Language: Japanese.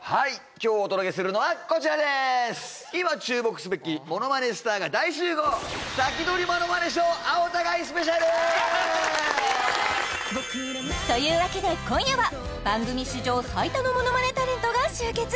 今日お届けするのはこちらでーす今注目すべきものまねスターが大集合というわけで今夜は番組史上最多のものまねタレントが集結